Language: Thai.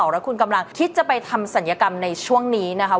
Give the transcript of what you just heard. แล้วคุณกำลังคิดจะไปทำศัลยกรรมในช่วงนี้นะคะ